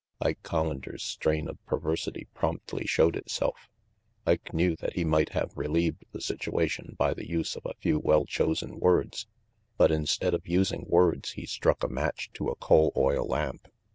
Ike Collander's strain of perversity promptly showed itself. Ike knew that he might have relieved the situation by the use of a few well chosen words, but instead of using words he struck a match to a coal oil lamp.